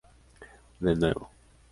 De nuevo.